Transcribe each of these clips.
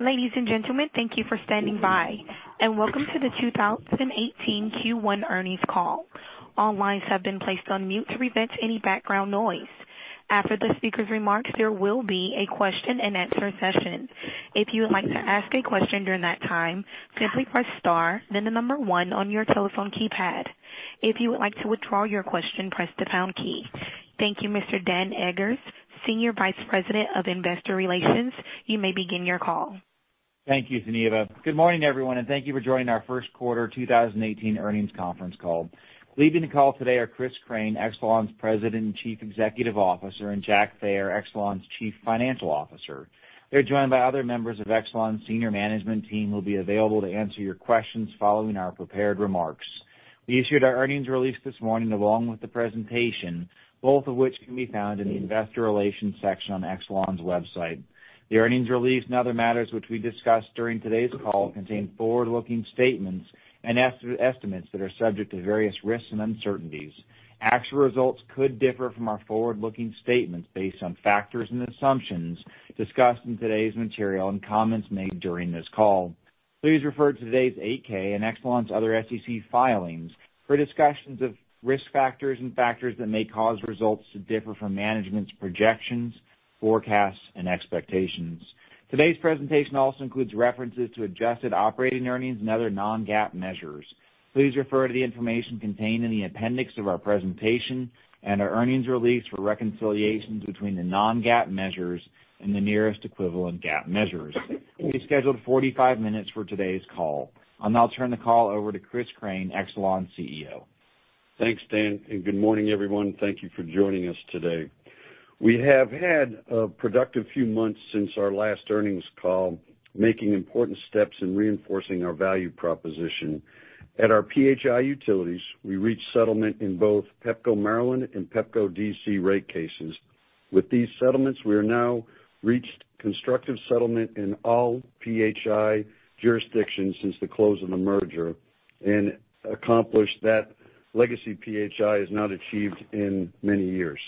Ladies and gentlemen, thank you for standing by, welcome to the 2018 Q1 Earnings Call. All lines have been placed on mute to prevent any background noise. After the speaker's remarks, there will be a question and answer session. If you would like to ask a question during that time, simply press star then the number 1 on your telephone keypad. If you would like to withdraw your question, press the pound key. Thank you, Mr. Daniel Eggers, Senior Vice President of Investor Relations. You may begin your call. Thank you, Geneva. Good morning, everyone. Thank you for joining our first quarter 2018 earnings conference call. Leading the call today are Chris Crane, Exelon's President and Chief Executive Officer, and Jack Thayer, Exelon's Chief Financial Officer. They're joined by other members of Exelon's senior management team who will be available to answer your questions following our prepared remarks. We issued our earnings release this morning along with the presentation, both of which can be found in the investor relations section on Exelon's website. The earnings release and other matters which we discussed during today's call contain forward-looking statements and estimates that are subject to various risks and uncertainties. Actual results could differ from our forward-looking statements based on factors and assumptions discussed in today's material and comments made during this call. Please refer to today's 8-K and Exelon's other SEC filings for discussions of risk factors and factors that may cause results to differ from management's projections, forecasts, and expectations. Today's presentation also includes references to adjusted operating earnings and other non-GAAP measures. Please refer to the information contained in the appendix of our presentation and our earnings release for reconciliations between the non-GAAP measures and the nearest equivalent GAAP measures. We scheduled 45 minutes for today's call. I'll now turn the call over to Chris Crane, Exelon's CEO. Thanks, Dan. Good morning, everyone. Thank you for joining us today. We have had a productive few months since our last earnings call, making important steps in reinforcing our value proposition. At our PHI utilities, we reached settlement in both Pepco Maryland and Pepco D.C. rate cases. With these settlements, we have now reached constructive settlement in all PHI jurisdictions since the close of the merger and accomplished that legacy PHI has not achieved in many years.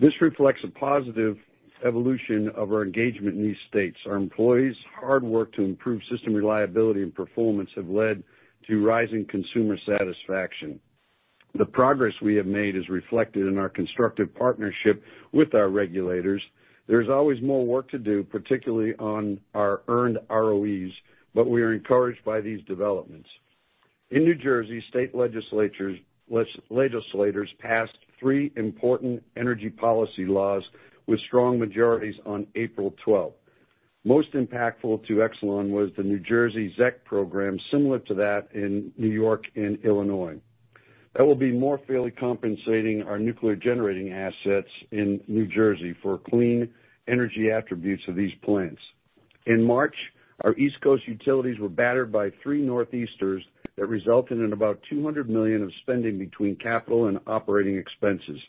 This reflects a positive evolution of our engagement in these states. Our employees' hard work to improve system reliability and performance have led to rising consumer satisfaction. The progress we have made is reflected in our constructive partnership with our regulators. There's always more work to do, particularly on our earned ROEs, but we are encouraged by these developments. In New Jersey, state legislators passed three important energy policy laws with strong majorities on April 12th. Most impactful to Exelon was the New Jersey ZEC Program, similar to that in New York and Illinois. That will be more fairly compensating our nuclear generating assets in New Jersey for clean energy attributes of these plants. In March, our East Coast utilities were battered by three northeasters that resulted in about $200 million of spending between capital and operating expenses.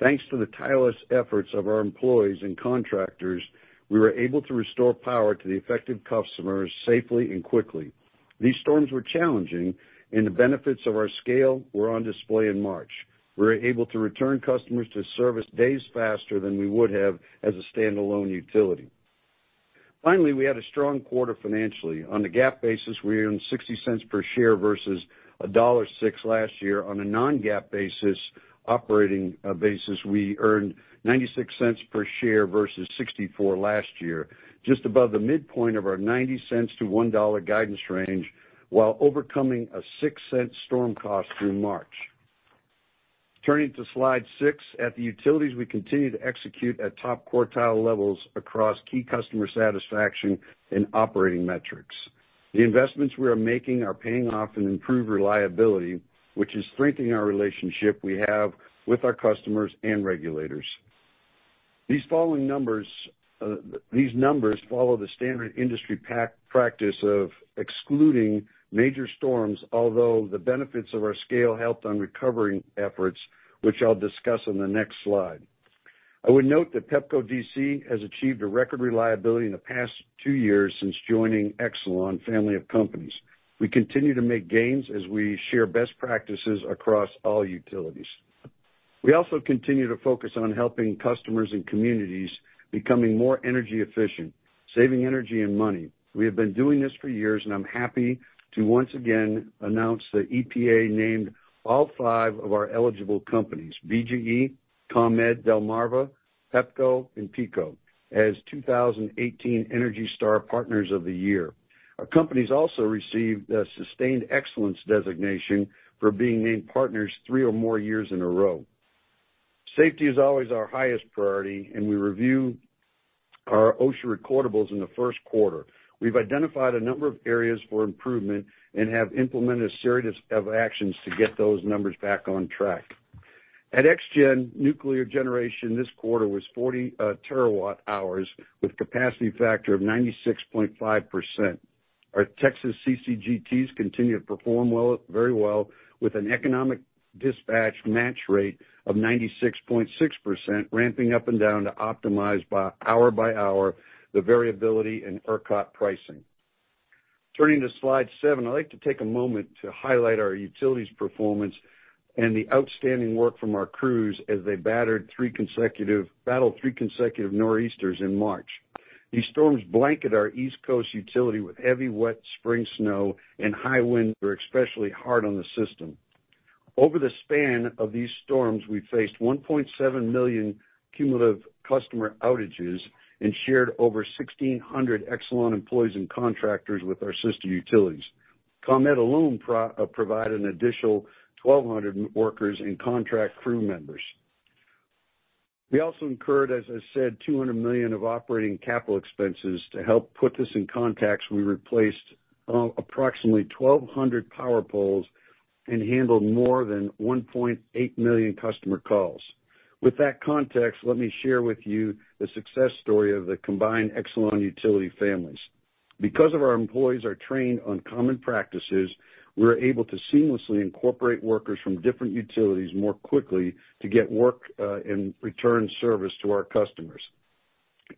Thanks to the tireless efforts of our employees and contractors, we were able to restore power to the affected customers safely and quickly. These storms were challenging, and the benefits of our scale were on display in March. We were able to return customers to service days faster than we would have as a standalone utility. Finally, we had a strong quarter financially. On a GAAP basis, we earned $0.60 per share versus $1.06 last year. On a non-GAAP basis, operating basis, we earned $0.96 per share versus $0.64 last year, just above the midpoint of our $0.90-$1.00 guidance range, while overcoming a $0.06 storm cost through March. Turning to slide six. At the utilities, we continue to execute at top quartile levels across key customer satisfaction and operating metrics. The investments we are making are paying off in improved reliability, which is strengthening our relationship we have with our customers and regulators. These numbers follow the standard industry practice of excluding major storms, although the benefits of our scale helped on recovery efforts, which I'll discuss on the next slide. I would note that Pepco D.C. has achieved a record reliability in the past two years since joining Exelon family of companies. We continue to make gains as we share best practices across all utilities. We also continue to focus on helping customers and communities becoming more energy efficient, saving energy, and money. I'm happy to once again announce that EPA named all five of our eligible companies, BGE, ComEd, Delmarva, Pepco, and PECO, as 2018 ENERGY STAR Partners of the Year. Our companies also received a Sustained Excellence designation for being named partners three or more years in a row. Safety is always our highest priority. We reviewed our OSHA recordables in the first quarter. We've identified a number of areas for improvement and have implemented a series of actions to get those numbers back on track. At ExGen, nuclear generation this quarter was 40 terawatt hours with capacity factor of 96.5%. Our Texas CCGTs continue to perform very well with an economic dispatch match rate of 96.6%, ramping up and down to optimize by hour by hour the variability in ERCOT pricing. Turning to slide seven. I'd like to take a moment to highlight our utilities performance and the outstanding work from our crews as they battled three consecutive nor'easters in March. These storms blanket our East Coast utility with heavy, wet spring snow and high winds were especially hard on the system. Over the span of these storms, we faced $1.7 million cumulative customer outages and shared over 1,600 Exelon employees and contractors with our sister utilities. ComEd alone provided an additional 1,200 workers and contract crew members. We also incurred, as I said, $200 million of operating capital expenses. To help put this in context, we replaced approximately 1,200 power poles and handled more than 1.8 million customer calls. With that context, let me share with you the success story of the combined Exelon utility families. Because of our employees are trained on common practices, we're able to seamlessly incorporate workers from different utilities more quickly to get work and return service to our customers.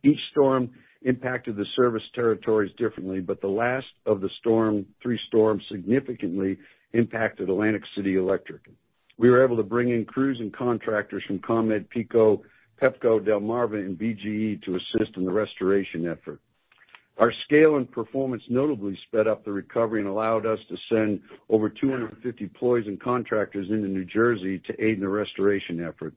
Each storm impacted the service territories differently, but the last of the three storms significantly impacted Atlantic City Electric. We were able to bring in crews and contractors from ComEd, PECO, Pepco, Delmarva, and BGE to assist in the restoration effort. Our scale and performance notably sped up the recovery and allowed us to send over 250 employees and contractors into New Jersey to aid in the restoration effort.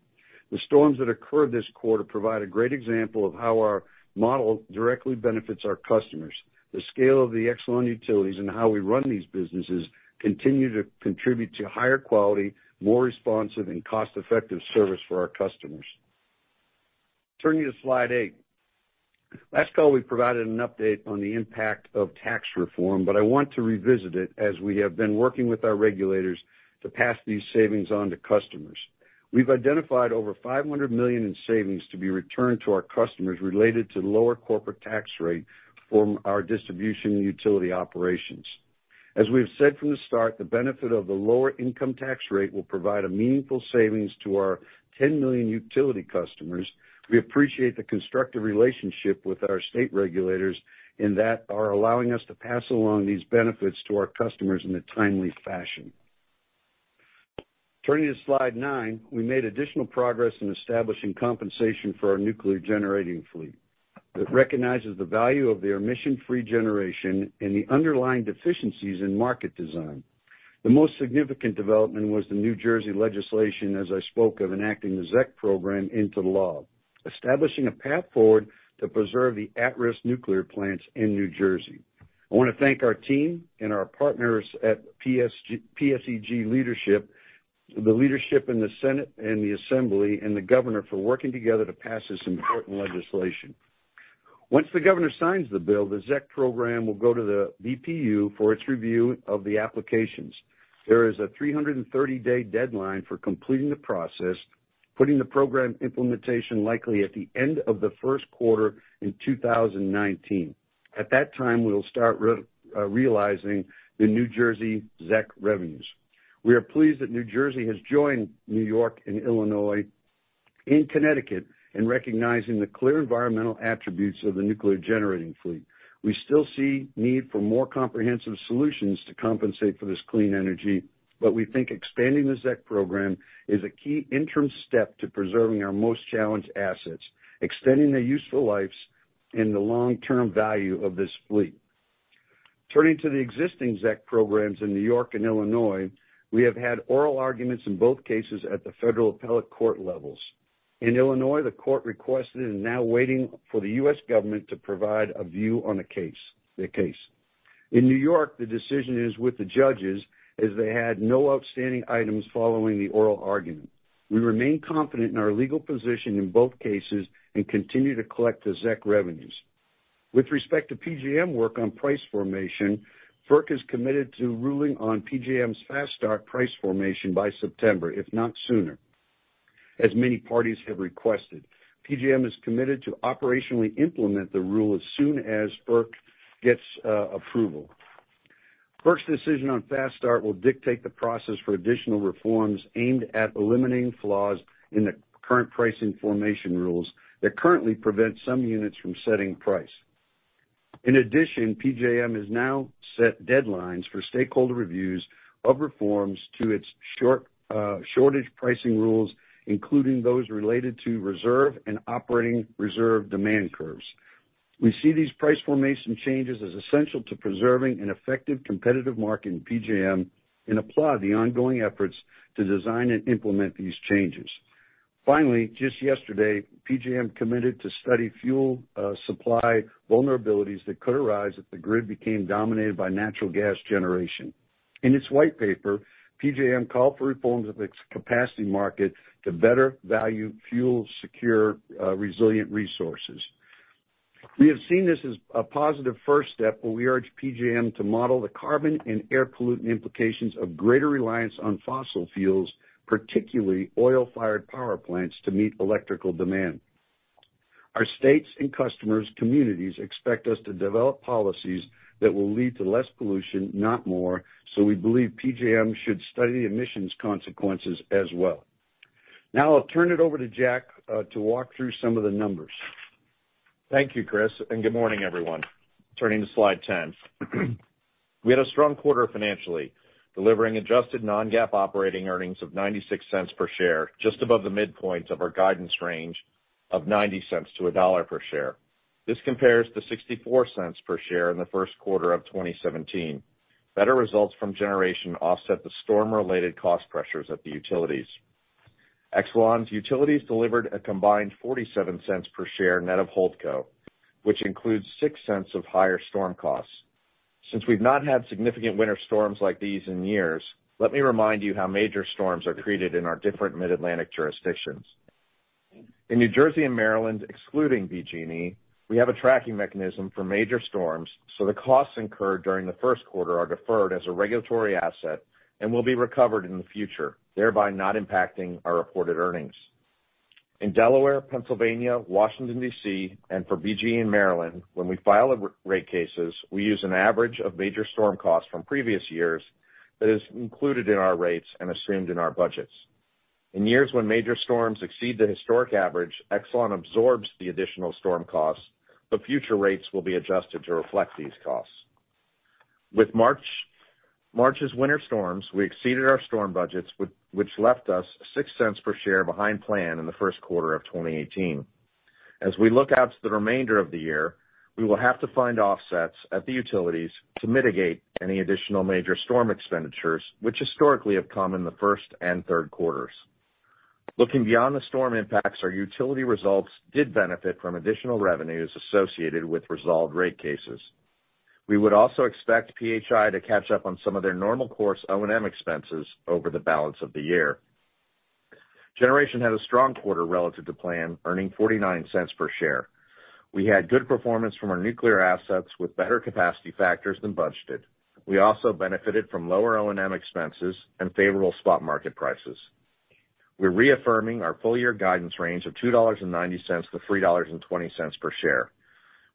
The storms that occurred this quarter provide a great example of how our model directly benefits our customers. The scale of the Exelon utilities and how we run these businesses continue to contribute to higher quality, more responsive, and cost-effective service for our customers. Turning to slide eight. Last call, we provided an update on the impact of tax reform, I want to revisit it as we have been working with our regulators to pass these savings on to customers. We've identified over $500 million in savings to be returned to our customers related to lower corporate tax rate from our distribution utility operations. As we've said from the start, the benefit of the lower income tax rate will provide a meaningful savings to our 10 million utility customers. We appreciate the constructive relationship with our state regulators in that are allowing us to pass along these benefits to our customers in a timely fashion. Turning to slide 9, we made additional progress in establishing compensation for our nuclear generating fleet that recognizes the value of their emission-free generation and the underlying deficiencies in market design. The most significant development was the New Jersey legislation, as I spoke, of enacting the ZEC program into law, establishing a path forward to preserve the at-risk nuclear plants in New Jersey. I want to thank our team and our partners at PSEG leadership, the leadership in the Senate and the Assembly, and the governor for working together to pass this important legislation. Once the governor signs the bill, the ZEC program will go to the BPU for its review of the applications. There is a 330-day deadline for completing the process, putting the program implementation likely at the end of the first quarter in 2019. At that time, we will start realizing the New Jersey ZEC revenues. We are pleased that New Jersey has joined New York and Illinois and Connecticut in recognizing the clear environmental attributes of the nuclear generating fleet. We still see need for more comprehensive solutions to compensate for this clean energy, we think expanding the ZEC program is a key interim step to preserving our most challenged assets, extending their useful lives, and the long-term value of this fleet. Turning to the existing ZEC programs in New York and Illinois, we have had oral arguments in both cases at the federal appellate court levels. In Illinois, the court requested and is now waiting for the U.S. government to provide a view on the case. In New York, the decision is with the judges, as they had no outstanding items following the oral argument. We remain confident in our legal position in both cases and continue to collect the ZEC revenues. With respect to PJM work on price formation, FERC is committed to ruling on PJM's Fast-Start price formation by September, if not sooner, as many parties have requested. PJM is committed to operationally implement the rule as soon as FERC gets approval. FERC's decision on Fast-Start will dictate the process for additional reforms aimed at eliminating flaws in the current pricing formation rules that currently prevent some units from setting price. PJM has now set deadlines for stakeholder reviews of reforms to its shortage pricing rules, including those related to reserve and operating reserve demand curves. We see these price formation changes as essential to preserving an effective competitive market in PJM and applaud the ongoing efforts to design and implement these changes. Just yesterday, PJM committed to study fuel supply vulnerabilities that could arise if the grid became dominated by natural gas generation. In its white paper, PJM called for reforms of its capacity market to better value fuel secure resilient resources. We have seen this as a positive first step, but we urge PJM to model the carbon and air pollutant implications of greater reliance on fossil fuels, particularly oil-fired power plants, to meet electrical demand. Our states and customers' communities expect us to develop policies that will lead to less pollution, not more, so we believe PJM should study emissions consequences as well. Now I'll turn it over to Jack to walk through some of the numbers. In New Jersey and Maryland, excluding BGE, we have a tracking mechanism for major storms, the costs incurred during the first quarter are deferred as a regulatory asset and will be recovered in the future, thereby not impacting our reported earnings. In Delaware, Pennsylvania, Washington, D.C., for BGE in Maryland, when we file rate cases, we use an average of major storm costs from previous years that is included in our rates and assumed in our budgets. In years when major storms exceed the historic average, Exelon absorbs the additional storm costs, Looking beyond the storm impacts, our utility results did benefit from additional revenues associated with resolved rate cases. We would also expect PHI to catch up on some of their normal course O&M expenses over the balance of the year. Generation had a strong quarter relative to plan, earning $0.49 per share. We had good performance from our nuclear assets with better capacity factors than budgeted. We also benefited from lower O&M expenses and favorable spot market prices. We're reaffirming our full-year guidance range of $2.90 to $3.20 per share,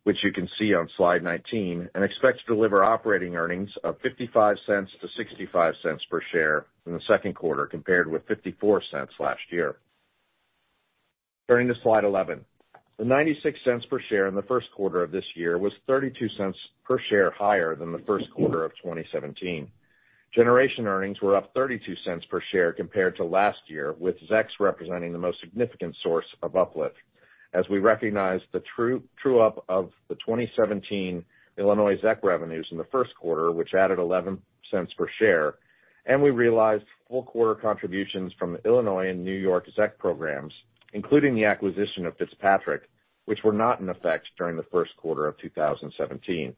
which you can see on slide 19, and expect to deliver operating earnings of $0.55 to $0.65 per share in the second quarter, compared with $0.54 last year. Turning to slide 11. The $0.96 per share in the first quarter of this year was $0.32 per share higher than the first quarter of 2017. Generation earnings were up $0.32 per share compared to last year, with ZECs representing the most significant source of uplift. As we recognize the true-up of the 2017 Illinois ZEC revenues in the first quarter, which added $0.11 per share, and we realized full quarter contributions from Illinois and New York ZEC programs, including the acquisition of FitzPatrick, which were not in effect during the first quarter of 2017.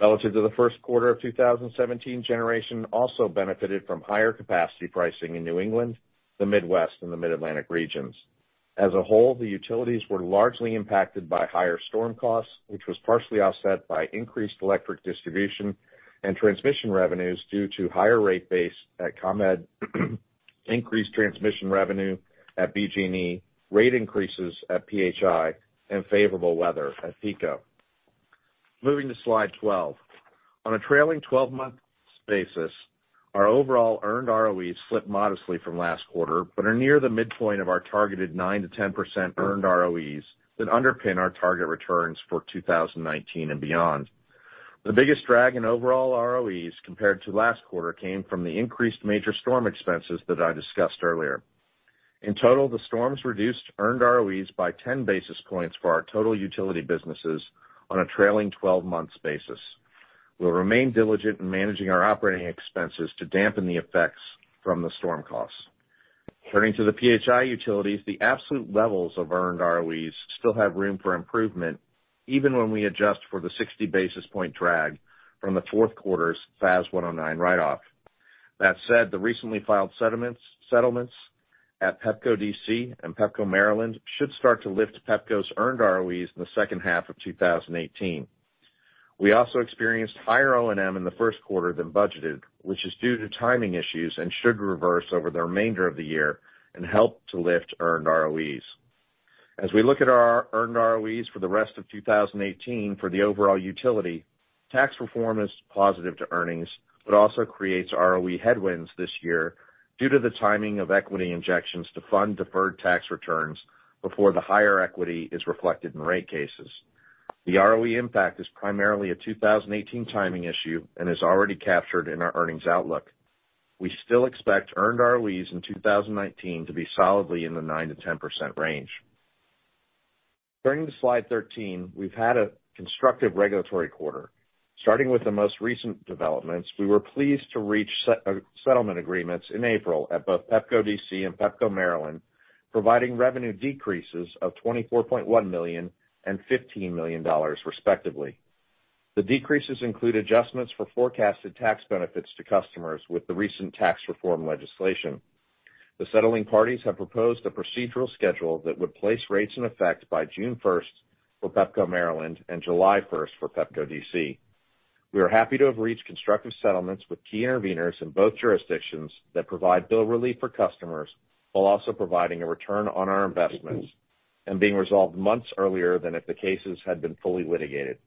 Relative to the first quarter of 2017, Generation also benefited from higher capacity pricing in New England, the Midwest, and the Mid-Atlantic regions. As a whole, the utilities were largely impacted by higher storm costs, which was partially offset by increased electric distribution and transmission revenues due to higher rate base at ComEd, increased transmission revenue at BGE, rate increases at PHI, and favorable weather at PECO. Moving to slide 12. On a trailing 12-month basis, our overall earned ROEs slipped modestly from last quarter but are near the midpoint of our targeted 9%-10% earned ROEs that underpin our target returns for 2019 and beyond. The biggest drag in overall ROEs compared to last quarter came from the increased major storm expenses that I discussed earlier. In total, the storms reduced earned ROEs by 10 basis points for our total utility businesses on a trailing 12-month basis. We'll remain diligent in managing our operating expenses to dampen the effects from the storm costs. Turning to the PHI utilities, the absolute levels of earned ROEs still have room for improvement, even when we adjust for the 60-basis-point drag from the fourth quarter's FAS 109 write-off. That said, the recently filed settlements at Pepco D.C. and Pepco Maryland should start to lift Pepco's earned ROEs in the second half of 2018. We also experienced higher O&M in the first quarter than budgeted, which is due to timing issues and should reverse over the remainder of the year and help to lift earned ROEs. We look at our earned ROEs for the rest of 2018 for the overall utility, tax reform is positive to earnings but also creates ROE headwinds this year due to the timing of equity injections to fund deferred tax returns before the higher equity is reflected in rate cases. The ROE impact is primarily a 2018 timing issue and is already captured in our earnings outlook. We still expect earned ROEs in 2019 to be solidly in the 9%-10% range. Turning to slide 13, we've had a constructive regulatory quarter. Starting with the most recent developments, we were pleased to reach settlement agreements in April at both Pepco D.C. and Pepco Maryland, providing revenue decreases of $24.1 million and $15 million, respectively. The decreases include adjustments for forecasted tax benefits to customers with the recent tax reform legislation. The settling parties have proposed a procedural schedule that would place rates in effect by June 1st for Pepco Maryland and July 1st for Pepco D.C. We are happy to have reached constructive settlements with key interveners in both jurisdictions that provide bill relief for customers while also providing a return on our investments and being resolved months earlier than if the cases had been fully litigated.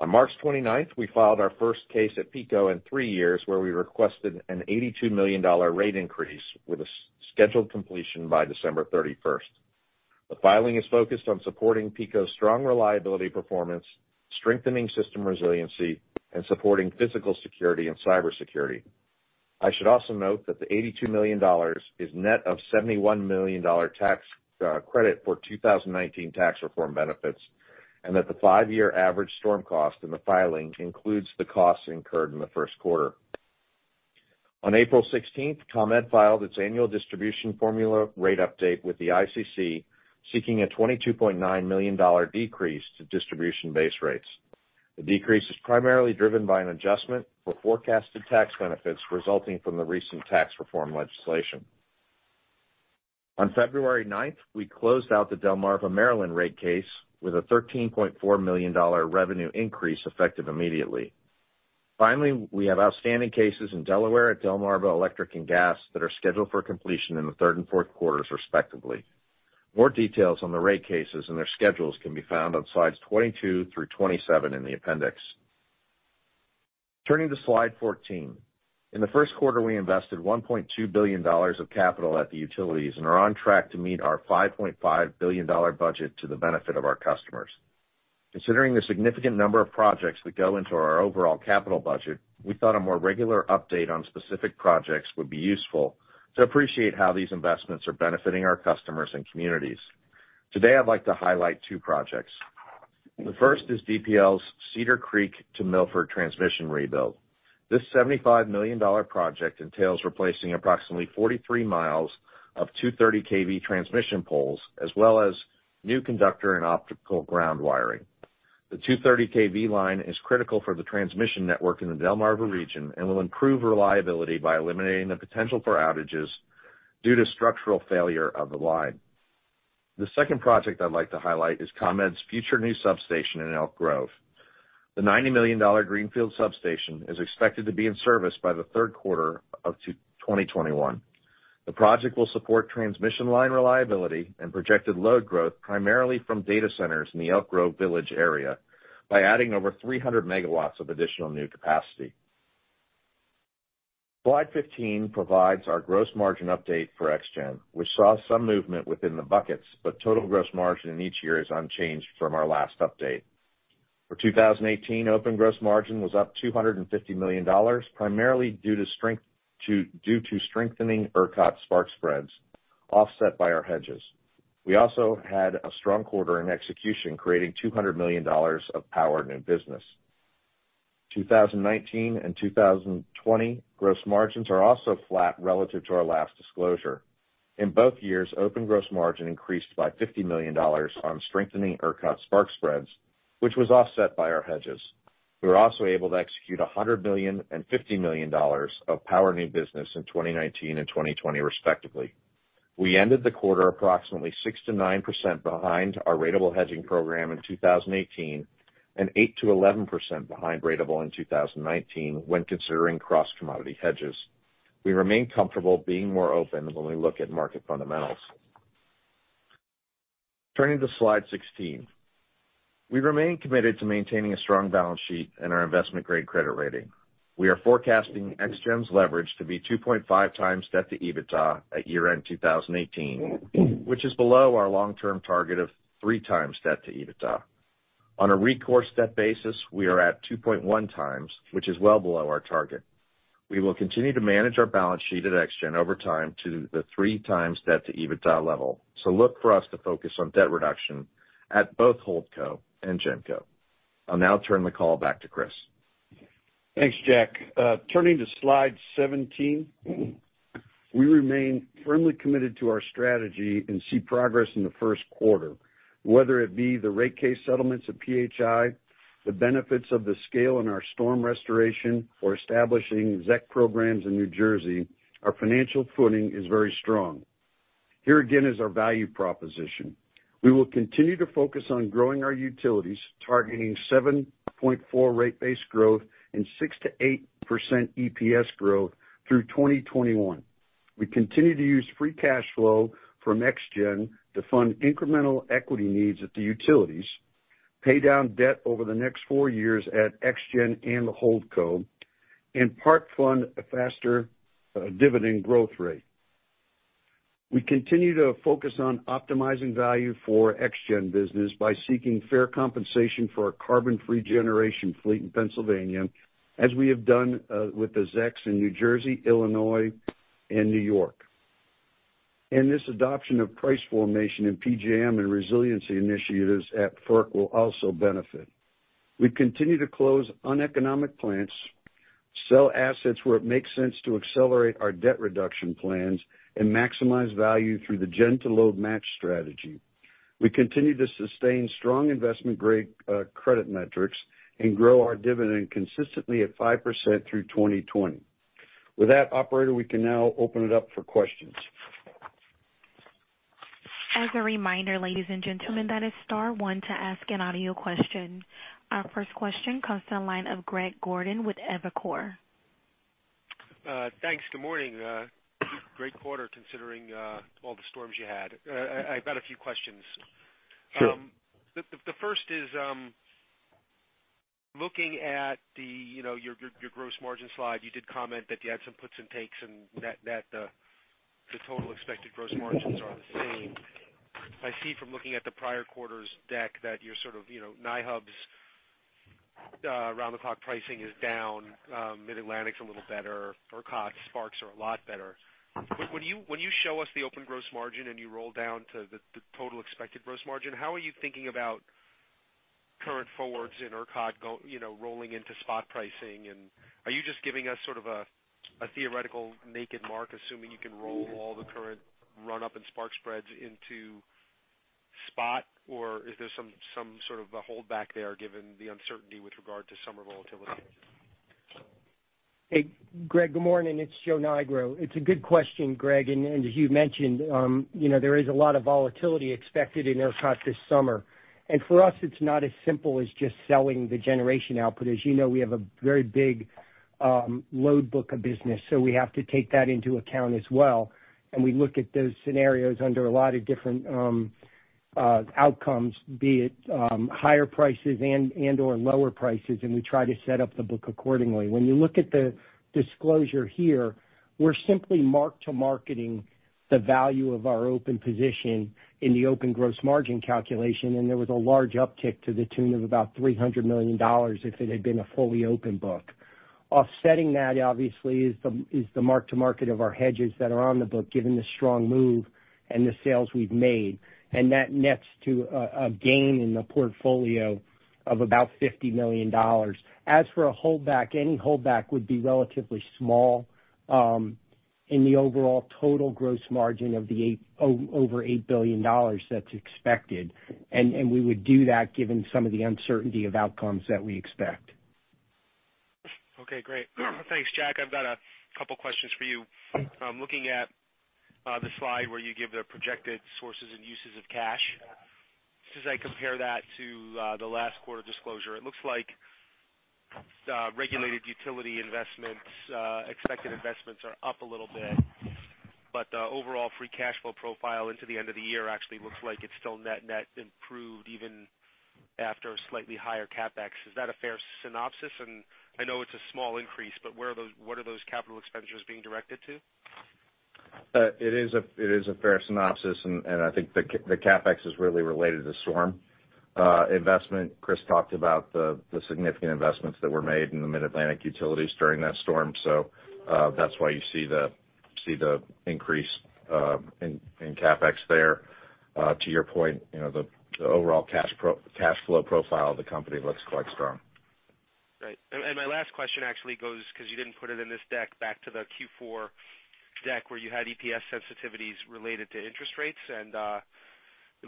On March 29th, we filed our first case at PECO in three years, where we requested an $82 million rate increase with a scheduled completion by December 31st. The filing is focused on supporting PECO's strong reliability performance, strengthening system resiliency, and supporting physical security and cybersecurity. I should also note that the $82 million is net of $71 million tax credit for 2019 tax reform benefits, and that the five-year average storm cost in the filing includes the costs incurred in the first quarter. On April 16th, ComEd filed its annual distribution formula rate update with the ICC, seeking a $22.9 million decrease to distribution base rates. The decrease is primarily driven by an adjustment for forecasted tax benefits resulting from the recent tax reform legislation. On February 9th, we closed out the Delmarva Maryland rate case with a $13.4 million revenue increase effective immediately. Finally, we have outstanding cases in Delaware at Delmarva Electric and Gas that are scheduled for completion in the third and fourth quarters respectively. More details on the rate cases and their schedules can be found on slides 22 through 27 in the appendix. Turning to slide 14. In the first quarter, we invested $1.2 billion of capital at the utilities and are on track to meet our $5.5 billion budget to the benefit of our customers. Considering the significant number of projects that go into our overall capital budget, we thought a more regular update on specific projects would be useful to appreciate how these investments are benefiting our customers and communities. Today, I'd like to highlight two projects. The first is DPL's Cedar Creek to Milford transmission rebuild. This $75 million project entails replacing approximately 43 miles of 230 kV transmission poles, as well as new conductor and optical ground wiring. The 230 kV line is critical for the transmission network in the Delmarva region and will improve reliability by eliminating the potential for outages due to structural failure of the line. The second project I'd like to highlight is ComEd's future new substation in Elk Grove. The $90 million Greenfield substation is expected to be in service by the third quarter of 2021. The project will support transmission line reliability and projected load growth primarily from data centers in the Elk Grove Village area by adding over 300 MW of additional new capacity. Slide 15 provides our gross margin update for ExGen, which saw some movement within the buckets, but total gross margin in each year is unchanged from our last update. For 2018, open gross margin was up $250 million, primarily due to strengthening ERCOT spark spreads offset by our hedges. We also had a strong quarter in execution, creating $200 million of power new business. 2019 and 2020 gross margins are also flat relative to our last disclosure. In both years, open gross margin increased by $50 million on strengthening ERCOT spark spreads, which was offset by our hedges. We were also able to execute $100 million and $50 million of power new business in 2019 and 2020 respectively. We ended the quarter approximately 6%-9% behind our ratable hedging program in 2018 and 8%-11% behind ratable in 2019 when considering cross-commodity hedges. We remain comfortable being more open when we look at market fundamentals. Turning to slide 16. We remain committed to maintaining a strong balance sheet and our investment-grade credit rating. We are forecasting ExGen's leverage to be 2.5x debt to EBITDA at year-end 2018, which is below our long-term target of 3x debt to EBITDA. On a recourse debt basis, we are at 2.1x, which is well below our target. We will continue to manage our balance sheet at ExGen over time to the 3x debt to EBITDA level. Look for us to focus on debt reduction at both Holdco and Genco. I'll now turn the call back to Chris. Thanks, Jack. Turning to slide 17. We remain firmly committed to our strategy and see progress in the first quarter. Whether it be the rate case settlements at PHI, the benefits of the scale in our storm restoration, or establishing ZEC programs in New Jersey, our financial footing is very strong. Here again is our value proposition. We will continue to focus on growing our utilities, targeting 7.4 rate base growth and 6%-8% EPS growth through 2021. We continue to use free cash flow from ExGen to fund incremental equity needs at the utilities, pay down debt over the next four years at ExGen and the Holdco, and part fund a faster dividend growth rate. We continue to focus on optimizing value for ExGen business by seeking fair compensation for our carbon-free generation fleet in Pennsylvania, as we have done with the ZECs in New Jersey, Illinois, and New York. This adoption of price formation in PJM and resiliency initiatives at FERC will also benefit. We continue to close uneconomic plants, sell assets where it makes sense to accelerate our debt reduction plans, and maximize value through the gen to load match strategy. We continue to sustain strong investment-grade credit metrics and grow our dividend consistently at 5% through 2020. With that, Operator, we can now open it up for questions. As a reminder, ladies and gentlemen, that is star one to ask an audio question. Our first question comes to the line of Greg Gordon with Evercore. Thanks. Good morning. Great quarter, considering all the storms you had. I've got a few questions. Sure. The first is, looking at your gross margin slide, you did comment that you had some puts and takes and that the total expected gross margins are the same. I see from looking at the prior quarter's deck that NYHub's around-the-clock pricing is down. Mid-Atlantic's a little better. ERCOT sparks are a lot better. When you show us the open gross margin, and you roll down to the total expected gross margin, how are you thinking about current forwards in ERCOT rolling into spot pricing? Are you just giving us sort of a theoretical naked mark, assuming you can roll all the current run-up in spark spreads into spot? Or is there some sort of a holdback there given the uncertainty with regard to summer volatility? Hey, Greg. Good morning. It's Joseph Nigro. It's a good question, Greg. As you've mentioned, there is a lot of volatility expected in ERCOT this summer. For us, it's not as simple as just selling the generation output. As you know, we have a very big load book of business, so we have to take that into account as well. We look at those scenarios under a lot of different outcomes, be it higher prices and/or lower prices, and we try to set up the book accordingly. When you look at the disclosure here, we're simply mark-to-marketing the value of our open position in the open gross margin calculation, there was a large uptick to the tune of about $300 million if it had been a fully open book. Offsetting that, obviously, is the mark-to-market of our hedges that are on the book, given the strong move and the sales we've made. That nets to a gain in the portfolio of about $50 million. As for a holdback, any holdback would be relatively small in the overall total gross margin of the over $8 billion that's expected. We would do that given some of the uncertainty of outcomes that we expect. Okay, great. Thanks. Jack, I've got a couple questions for you. Looking at the slide where you give the projected sources and uses of cash. As I compare that to the last quarter disclosure, it looks like regulated utility investments, expected investments are up a little bit. The overall free cash flow profile into the end of the year actually looks like it's still net improved even after a slightly higher CapEx. Is that a fair synopsis? I know it's a small increase, but what are those capital expenditures being directed to? It is a fair synopsis, I think the CapEx is really related to storm investment. Christopher talked about the significant investments that were made in the Mid-Atlantic utilities during that storm. That's why you see the increase in CapEx there. To your point, the overall cash flow profile of the company looks quite strong. Right. My last question actually goes, because you didn't put it in this deck, back to the Q4 deck where you had EPS sensitivities related to interest rates. It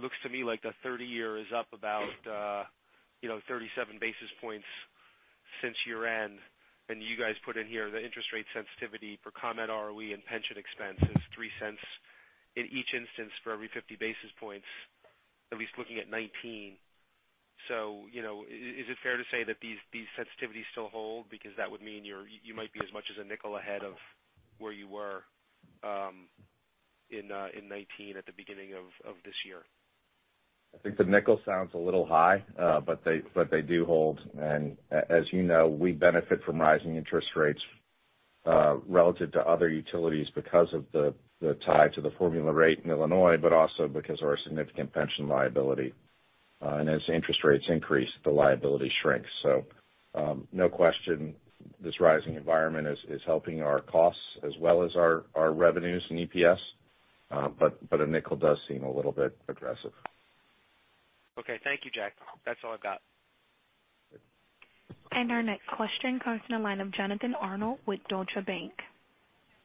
looks to me like the 30-year is up about 37 basis points since year-end. You guys put in here the interest rate sensitivity for common ROE and pension expense is $0.03 in each instance for every 50 basis points, at least looking at 2019. Is it fair to say that these sensitivities still hold? Because that would mean you might be as much as a nickel ahead of where you were in 2019 at the beginning of this year. I think the nickel sounds a little high, but they do hold. As you know, we benefit from rising interest rates relative to other utilities because of the tie to the formula rate in Illinois, but also because of our significant pension liability. As interest rates increase, the liability shrinks. No question, this rising environment is helping our costs as well as our revenues and EPS. A nickel does seem a little bit aggressive. Okay. Thank you, Jack. That's all I've got. Our next question comes on the line of Jonathan Arnold with Deutsche Bank.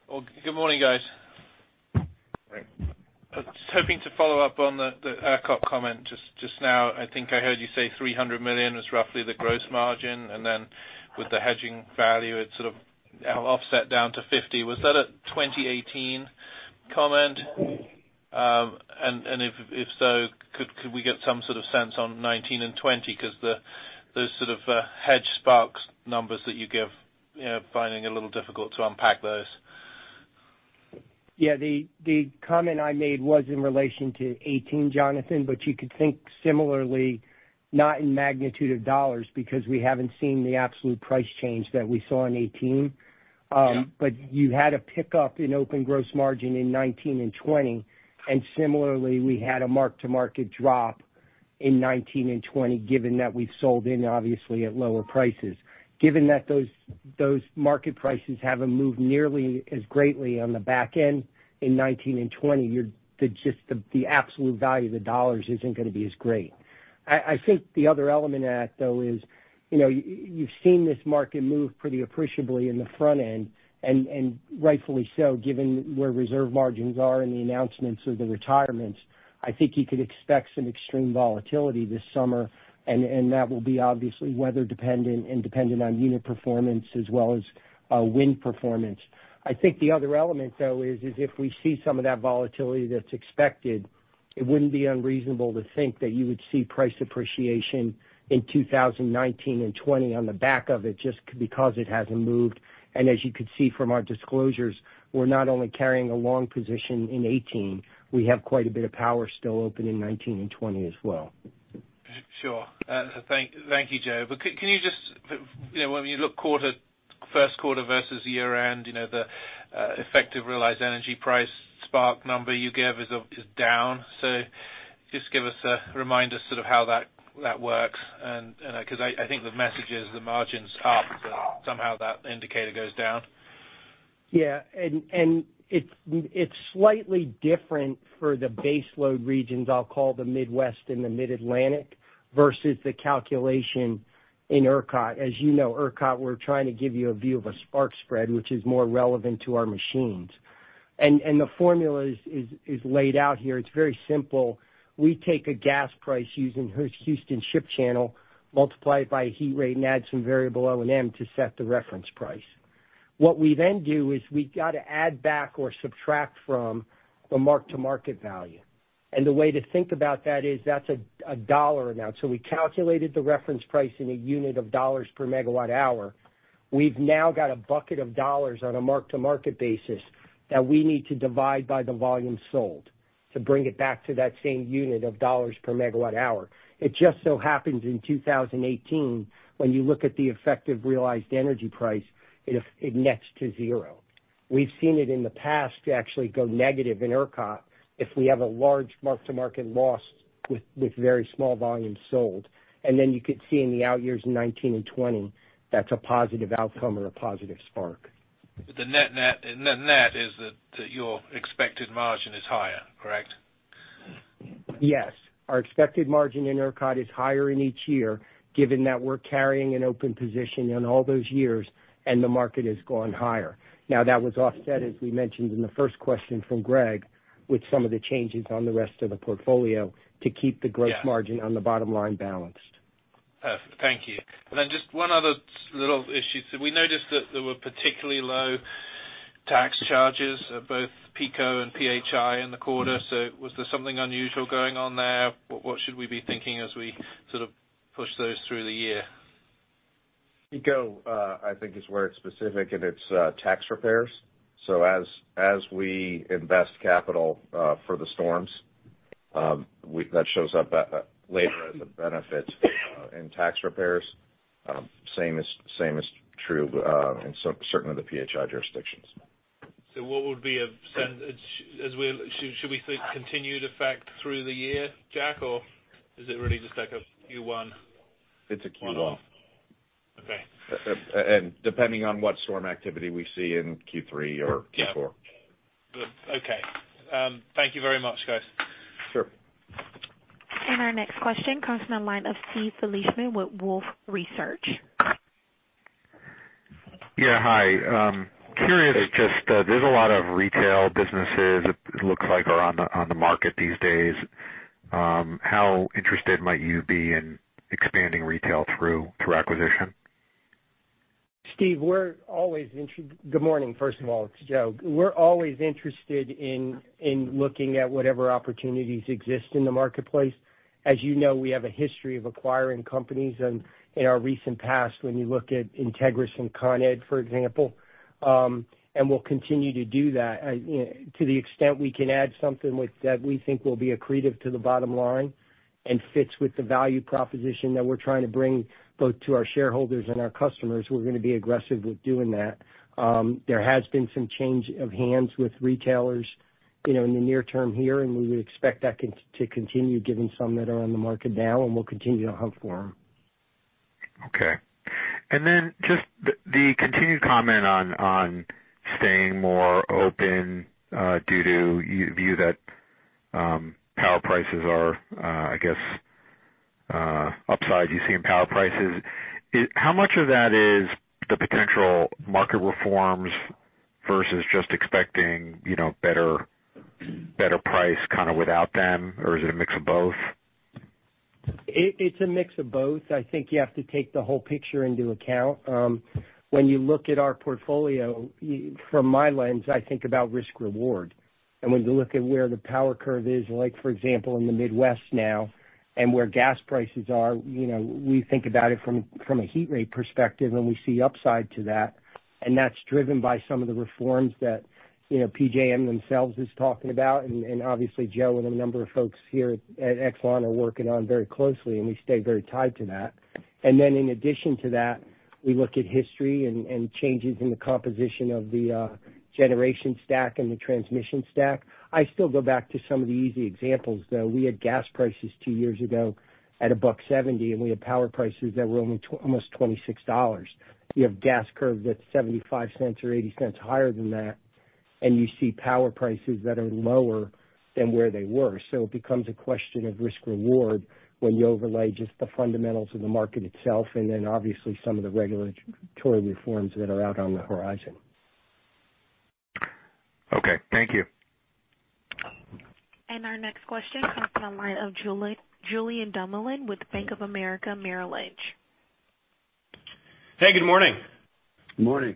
Well, good morning, guys. Great. I was hoping to follow up on the ERCOT comment just now. I think I heard you say $300 million is roughly the gross margin, and then with the hedging value, it sort of offset down to $50 million. Was that a 2018 comment? If so, could we get some sort of sense on 2019 and 2020? Those sort of hedge sparks numbers that you give, finding it a little difficult to unpack those. Yeah. The comment I made was in relation to 2018, Jonathan, but you could think similarly, not in magnitude of dollars, because we haven't seen the absolute price change that we saw in 2018. Yeah. You had a pickup in open gross margin in 2019 and 2020. Similarly, we had a mark-to-market drop in 2019 and 2020, given that we sold in, obviously, at lower prices. Given that those market prices haven't moved nearly as greatly on the back end in 2019 and 2020, just the absolute value of the dollars isn't going to be as great. I think the other element to that, though, is you've seen this market move pretty appreciably in the front end, and rightfully so, given where reserve margins are in the announcements of the retirements. I think you could expect some extreme volatility this summer, and that will be obviously weather dependent and dependent on unit performance as well as wind performance. I think the other element, though, is if we see some of that volatility that's expected, it wouldn't be unreasonable to think that you would see price appreciation in 2019 and 2020 on the back of it just because it hasn't moved. As you could see from our disclosures, we're not only carrying a long position in 2018, we have quite a bit of power still open in 2019 and 2020 as well. Sure. Thank you, Joe. Can you just when you look first quarter versus year-end, the effective realized energy price spark number you gave is down. Just give us a reminder sort of how that works. I think the message is the margin's up, but somehow that indicator goes down. It's slightly different for the baseload regions, I'll call the Midwest and the Mid-Atlantic, versus the calculation in ERCOT. As you know, ERCOT, we're trying to give you a view of a spark spread, which is more relevant to our machines. The formula is laid out here. It's very simple. We take a gas price using Houston Ship Channel, multiply it by a heat rate, and add some variable O&M to set the reference price. What we then do is we got to add back or subtract from the mark-to-market value. The way to think about that is that's a dollar amount. We calculated the reference price in a unit of dollars per megawatt hour. We've now got a bucket of dollars on a mark-to-market basis that we need to divide by the volume sold to bring it back to that same unit of dollars per megawatt hour. It just so happens in 2018, when you look at the effective realized energy price, it nets to zero. We've seen it in the past actually go negative in ERCOT, if we have a large mark-to-market loss with very small volumes sold. Then you could see in the out years 2019 and 2020, that's a positive outcome or a positive spark. The net is that your expected margin is higher, correct? Yes. Our expected margin in ERCOT is higher in each year, given that we're carrying an open position in all those years and the market has gone higher. That was offset, as we mentioned in the first question from Greg, with some of the changes on the rest of the portfolio to keep the gross margin on the bottom line balanced. Perfect. Thank you. Just one other little issue. We noticed that there were particularly low tax charges at both PECO and PHI in the quarter. Was there something unusual going on there? What should we be thinking as we sort of push those through the year? PECO, I think is where it's specific, and it's tax repairs. As we invest capital for the storms, that shows up later as a benefit in tax repairs. Same is true in certain of the PHI jurisdictions. What would be, should we see continued effect through the year, Jack, or is it really just like a Q1? It's a Q1. Okay. Depending on what storm activity we see in Q3 or Q4. Good. Okay. Thank you very much, guys. Sure. Our next question comes from the line of Steve Fleishman with Wolfe Research. Yeah. Hi. Curious, just there's a lot of retail businesses it looks like are on the market these days. How interested might you be in expanding retail through acquisition? Steve, we're always interested. Good morning, first of all. It's Joe. We're always interested in looking at whatever opportunities exist in the marketplace. As you know, we have a history of acquiring companies, in our recent past, when you look at Integrys and Con Edison, for example. We'll continue to do that. To the extent we can add something that we think will be accretive to the bottom line and fits with the value proposition that we're trying to bring both to our shareholders and our customers, we're going to be aggressive with doing that. There has been some change of hands with retailers in the near term here, we would expect that to continue given some that are on the market now, and we'll continue to hunt for them. Okay. Then just the continued comment on staying more open, due to view that power prices are, I guess, upside you see in power prices. How much of that is the potential market reforms versus just expecting better price kind of without them? Is it a mix of both? It's a mix of both. I think you have to take the whole picture into account. When you look at our portfolio, from my lens, I think about risk reward. When you look at where the power curve is, like for example, in the Midwest now, and where gas prices are, we think about it from a heat rate perspective, and we see upside to that. That's driven by some of the reforms that PJM themselves is talking about. Obviously, Joe and a number of folks here at Exelon are working on very closely, and we stay very tied to that. In addition to that, we look at history and changes in the composition of the generation stack and the transmission stack. I still go back to some of the easy examples, though. We had gas prices two years ago at $1.70, and we had power prices that were only almost $26. You have gas curves that's $0.75 or $0.80 higher than that, you see power prices that are lower than where they were. It becomes a question of risk reward when you overlay just the fundamentals of the market itself, obviously some of the regulatory reforms that are out on the horizon. Okay. Thank you. Our next question comes from the line of Julien Dumoulin-Smith with Bank of America Merrill Lynch. Hey, good morning. Good morning.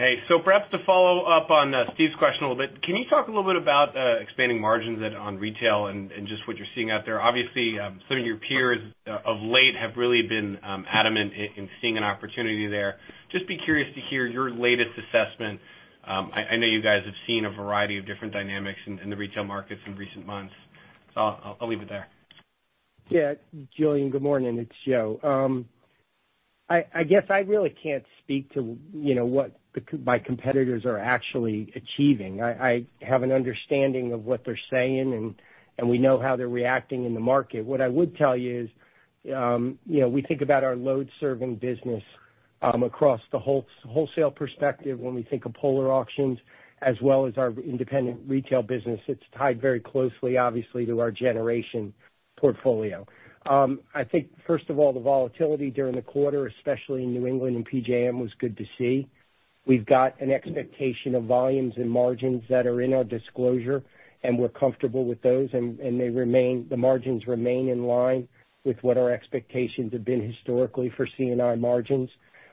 Hey. Perhaps to follow up on Steve's question a little bit, can you talk a little bit about expanding margins on retail and just what you're seeing out there? Obviously, some of your peers of late have really been adamant in seeing an opportunity there. Just be curious to hear your latest assessment. I know you guys have seen a variety of different dynamics in the retail markets in recent months. I'll leave it there. Yeah. Julien, good morning. It's Joe. I guess I really can't speak to what my competitors are actually achieving. I have an understanding of what they're saying, and we know how they're reacting in the market. What I would tell you is, we think about our load-serving business across the wholesale perspective when we think of POLR auctions, as well as our independent retail business. It's tied very closely, obviously, to our generation portfolio. I think, first of all, the volatility during the quarter, especially in New England and PJM, was good to see. We've got an expectation of volumes and margins that are in our disclosure, and we're comfortable with those, and the margins remain in line with what our expectations have been historically for C&I margins.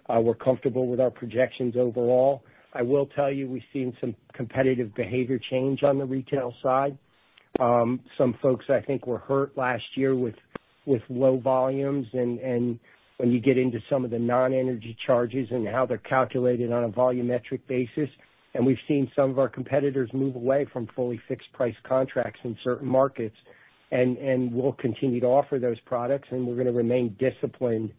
We're comfortable with our projections overall. I will tell you, we've seen some competitive behavior change on the retail side. Some folks, I think, were hurt last year with low volumes. When you get into some of the non-energy charges and how they're calculated on a volumetric basis. We've seen some of our competitors move away from fully fixed price contracts in certain markets. We'll continue to offer those products. We're going to remain disciplined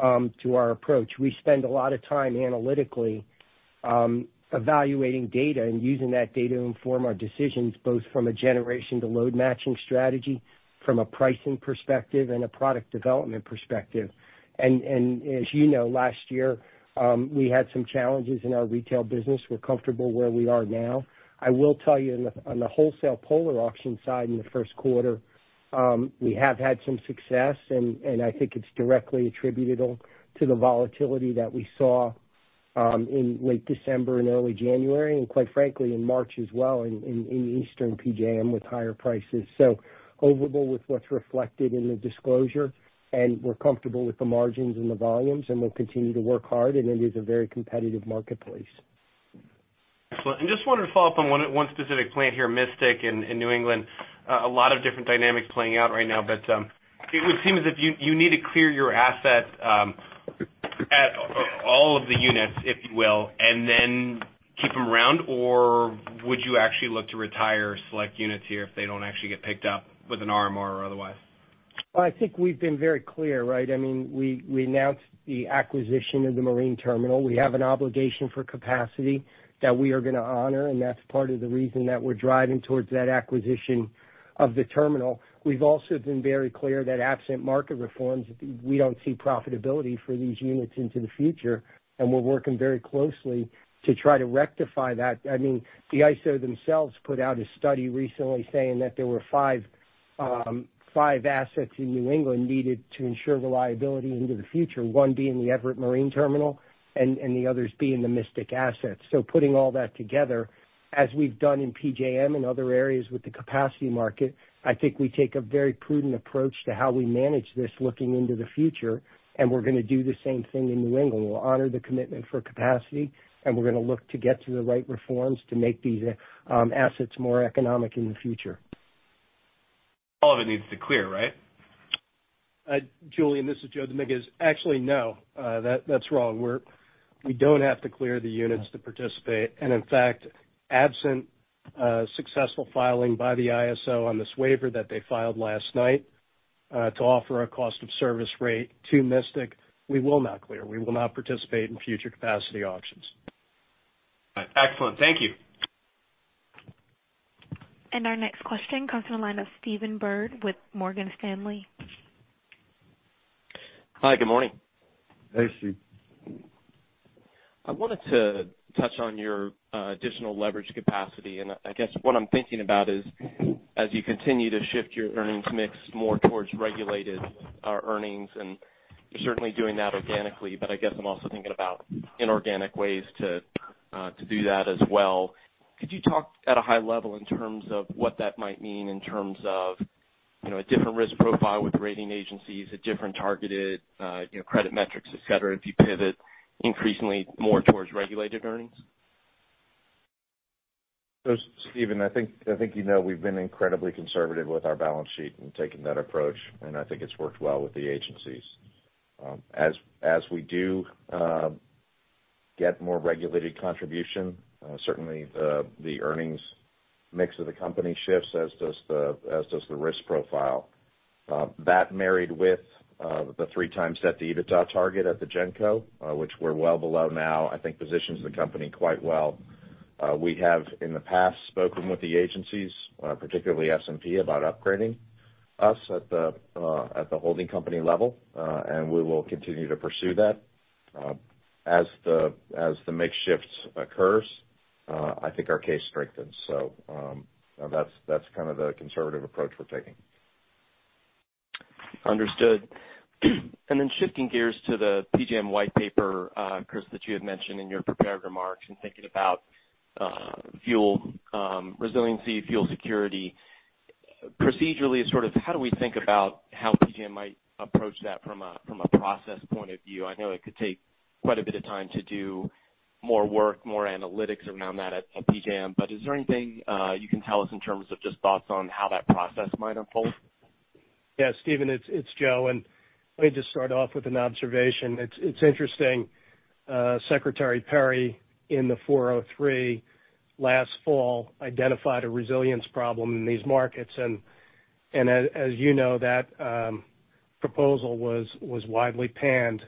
to our approach. We spend a lot of time analytically evaluating data and using that data to inform our decisions, both from a generation to load matching strategy, from a pricing perspective, and a product development perspective. As you know, last year, we had some challenges in our retail business. We're comfortable where we are now. I will tell you, on the wholesale POLR auction side in the first quarter, we have had some success. I think it's directly attributable to the volatility that we saw in late December and early January, and quite frankly, in March as well in the Eastern PJM with higher prices. Overall with what's reflected in the disclosure, we're comfortable with the margins and the volumes. We'll continue to work hard. It is a very competitive marketplace. Excellent. Just wanted to follow up on one specific plant here, Mystic in New England. A lot of different dynamics playing out right now. It would seem as if you need to clear your assets at all of the units, if you will, and then keep them around, or would you actually look to retire select units here if they don't actually get picked up with an RMR or otherwise? I think we've been very clear, right? We announced the acquisition of the marine terminal. We have an obligation for capacity that we are going to honor. That's part of the reason that we're driving towards that acquisition of the terminal. We've also been very clear that absent market reforms, we don't see profitability for these units into the future. We're working very closely to try to rectify that. The ISO themselves put out a study recently saying that there were five assets in New England needed to ensure reliability into the future, one being the Everett Marine Terminal and the others being the Mystic assets. Putting all that together, as we've done in PJM and other areas with the capacity market, I think we take a very prudent approach to how we manage this looking into the future, and we're going to do the same thing in New England. We'll honor the commitment for capacity, and we're going to look to get to the right reforms to make these assets more economic in the future. All of it needs to clear, right? Julien, this is Joe Dominguez. Actually, no. That's wrong. We don't have to clear the units to participate. In fact, absent a successful filing by the ISO on this waiver that they filed last night, to offer a cost of service rate to Mystic, we will not clear. We will not participate in future capacity auctions. All right. Excellent. Thank you. Our next question comes from the line of Stephen Byrd with Morgan Stanley. Hi, good morning. Hey, Steve. I wanted to touch on your additional leverage capacity. I guess what I'm thinking about is as you continue to shift your earnings mix more towards regulated earnings, and you're certainly doing that organically, but I guess I'm also thinking about inorganic ways to do that as well. Could you talk at a high level in terms of what that might mean in terms of a different risk profile with rating agencies, a different targeted credit metrics, et cetera, if you pivot increasingly more towards regulated earnings? Stephen, I think you know we've been incredibly conservative with our balance sheet in taking that approach, and I think it's worked well with the agencies. As we do get more regulated contribution, certainly the earnings mix of the company shifts, as does the risk profile. That married with the 3 times EBITDA target at the GenCo, which we're well below now, I think positions the company quite well. We have in the past spoken with the agencies, particularly S&P, about upgrading us at the holding company level. We will continue to pursue that. As the mix shifts occurs, I think our case strengthens. That's kind of the conservative approach we're taking. Understood. Then shifting gears to the PJM White Paper, Chris, that you had mentioned in your prepared remarks and thinking about resiliency, fuel security. Procedurally, how do we think about how PJM might approach that from a process point of view? I know it could take quite a bit of time to do more work, more analytics around that at PJM. Is there anything you can tell us in terms of just thoughts on how that process might unfold? Yeah, Stephen, it's Joe, let me just start off with an observation. It's interesting, Secretary Perry, in the 403 last fall, identified a resilience problem in these markets. As you know, that proposal was widely panned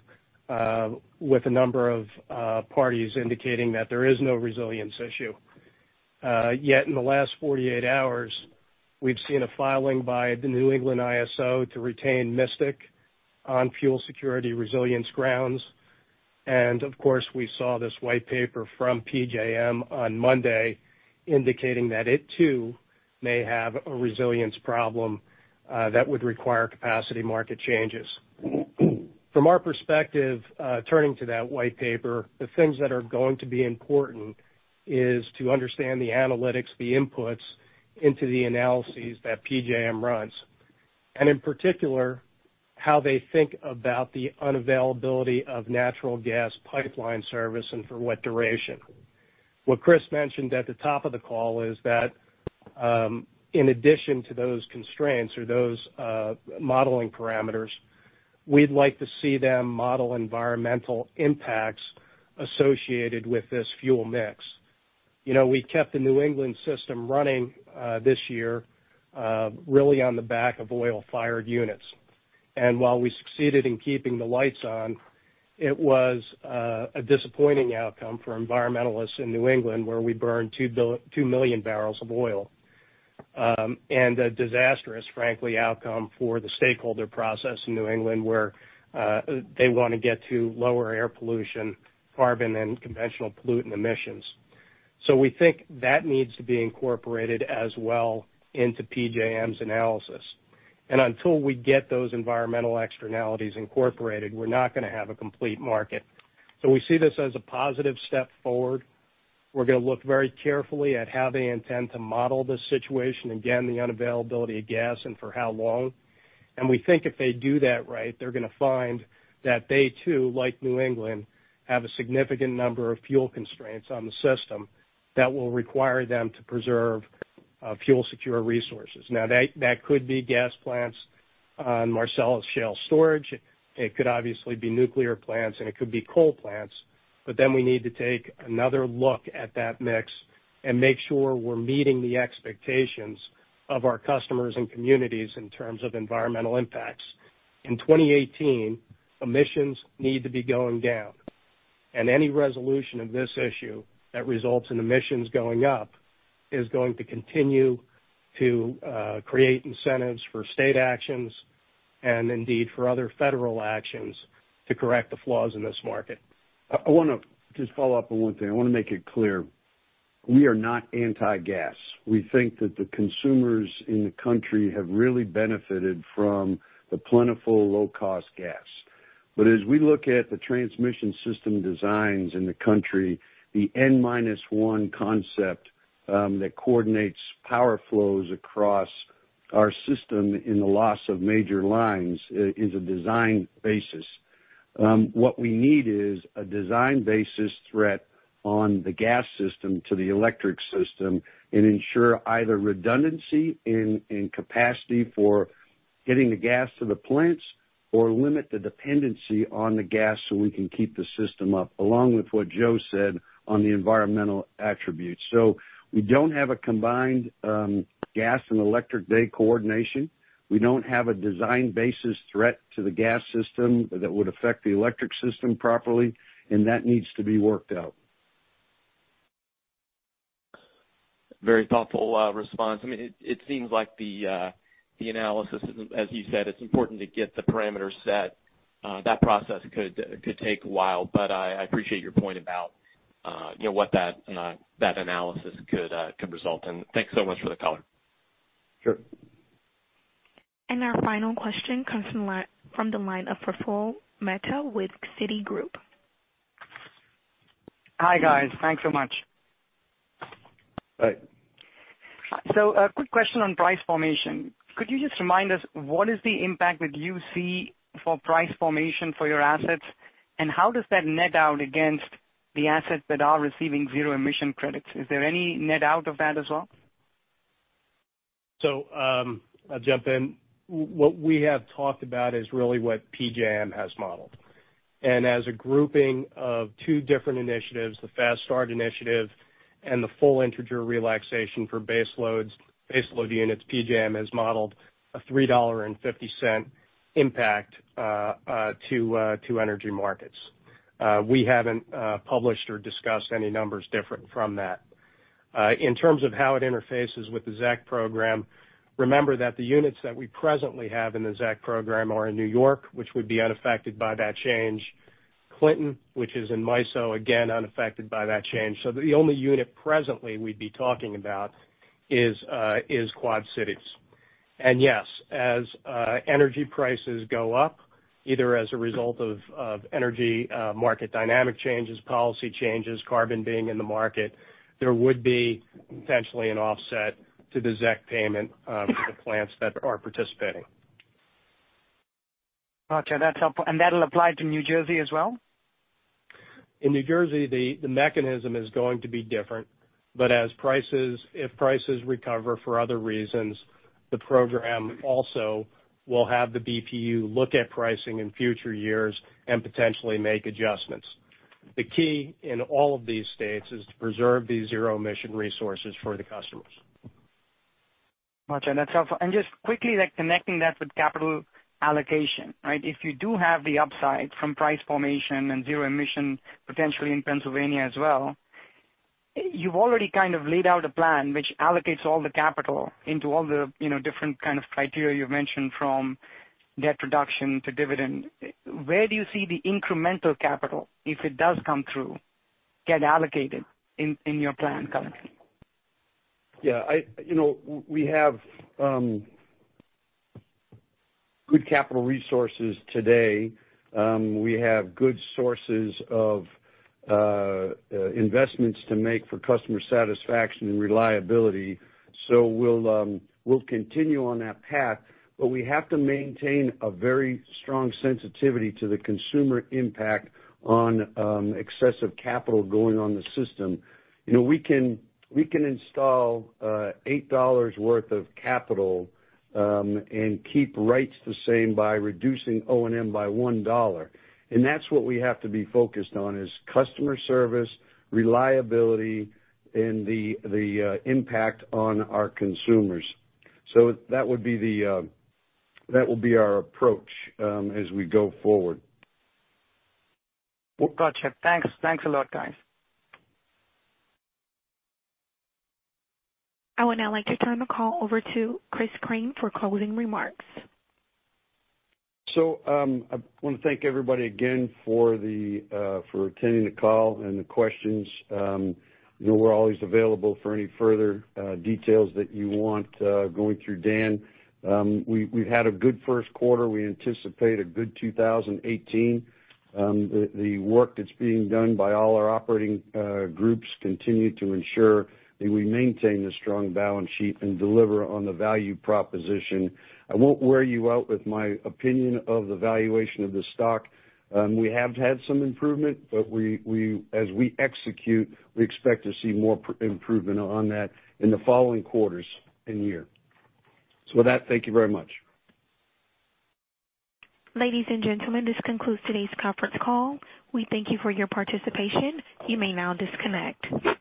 with a number of parties indicating that there is no resilience issue. Yet in the last 48 hours, we've seen a filing by the ISO New England to retain Mystic on fuel security resilience grounds. Of course, we saw this White Paper from PJM on Monday indicating that it too may have a resilience problem that would require capacity market changes. From our perspective, turning to that White Paper, the things that are going to be important is to understand the analytics, the inputs into the analyses that PJM runs. In particular, how they think about the unavailability of natural gas pipeline service and for what duration. What Chris mentioned at the top of the call is that, in addition to those constraints or those modeling parameters, we'd like to see them model environmental impacts associated with this fuel mix. We kept the New England system running this year really on the back of oil-fired units. While we succeeded in keeping the lights on, it was a disappointing outcome for environmentalists in New England, where we burned 2 million barrels of oil. A disastrous, frankly, outcome for the stakeholder process in New England, where they want to get to lower air pollution, carbon, and conventional pollutant emissions. We think that needs to be incorporated as well into PJM's analysis. Until we get those environmental externalities incorporated, we're not going to have a complete market. We see this as a positive step forward. We're going to look very carefully at how they intend to model this situation, again, the unavailability of gas and for how long. We think if they do that right, they're going to find that they too, like New England, have a significant number of fuel constraints on the system that will require them to preserve fuel-secure resources. That could be gas plants on Marcellus Shale storage. It could obviously be nuclear plants, and it could be coal plants. We need to take another look at that mix and make sure we're meeting the expectations of our customers and communities in terms of environmental impacts. In 2018, emissions need to be going down. Any resolution of this issue that results in emissions going up is going to continue to create incentives for state actions and indeed for other federal actions to correct the flaws in this market. I want to just follow up on one thing. I want to make it clear, we are not anti-gas. We think that the consumers in the country have really benefited from the plentiful low-cost gas. As we look at the transmission system designs in the country, the N-minus-one concept that coordinates power flows across our system in the loss of major lines is a design basis. What we need is a design-basis threat on the gas system to the electric system and ensure either redundancy in capacity for getting the gas to the plants or limit the dependency on the gas so we can keep the system up, along with what Joe said on the environmental attributes. We don't have a combined gas and electric day coordination. We don't have a design-basis threat to the gas system that would affect the electric system properly. That needs to be worked out. Very thoughtful response. It seems like the analysis, as you said, it's important to get the parameters set. That process could take a while, I appreciate your point about what that analysis could result in. Thanks so much for the color. Sure. Our final question comes from the line of Praful Mehta with Citigroup. Hi, guys. Thanks so much. Hi. A quick question on price formation. Could you just remind us what is the impact that you see for price formation for your assets, and how does that net out against the assets that are receiving zero emission credits? Is there any net out of that as well? I'll jump in. What we have talked about is really what PJM has modeled. As a grouping of two different initiatives, the Fast-Start initiative and the full integer relaxation for base load units, PJM has modeled a $3.50 impact to energy markets. We haven't published or discussed any numbers different from that. In terms of how it interfaces with the ZEC program, remember that the units that we presently have in the ZEC program are in New York, which would be unaffected by that change. Clinton, which is in MISO, again, unaffected by that change. The only unit presently we'd be talking about is Quad Cities. Yes, as energy prices go up Either as a result of energy market dynamic changes, policy changes, carbon being in the market, there would be potentially an offset to the ZEC payment for the plants that are participating. Got you. That's helpful. That'll apply to New Jersey as well? In New Jersey, the mechanism is going to be different, but if prices recover for other reasons, the program also will have the BPU look at pricing in future years and potentially make adjustments. The key in all of these states is to preserve these zero emission resources for the customers. Got you. That's helpful. Just quickly, connecting that with capital allocation, right? If you do have the upside from price formation and zero emission, potentially in Pennsylvania as well, you've already kind of laid out a plan which allocates all the capital into all the different kind of criteria you've mentioned, from debt reduction to dividend. Where do you see the incremental capital, if it does come through, get allocated in your plan currently? Yeah. We have good capital resources today. We have good sources of investments to make for customer satisfaction and reliability. We'll continue on that path. We have to maintain a very strong sensitivity to the consumer impact on excessive capital going on the system. We can install $8 worth of capital, and keep rates the same by reducing O&M by $1. That's what we have to be focused on, is customer service, reliability, and the impact on our consumers. That would be our approach as we go forward. Got you. Thanks a lot, guys. I would now like to turn the call over to Chris Crane for closing remarks. I want to thank everybody again for attending the call and the questions. We're always available for any further details that you want, going through Dan. We've had a good first quarter. We anticipate a good 2018. The work that's being done by all our operating groups continue to ensure that we maintain the strong balance sheet and deliver on the value proposition. I won't wear you out with my opinion of the valuation of the stock. We have had some improvement, but as we execute, we expect to see more improvement on that in the following quarters and year. With that, thank you very much. Ladies and gentlemen, this concludes today's conference call. We thank you for your participation. You may now disconnect.